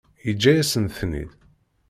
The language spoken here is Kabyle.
Yeǧǧa-yasent-ten-id?